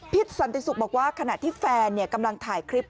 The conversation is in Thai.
สันติสุขบอกว่าขณะที่แฟนกำลังถ่ายคลิป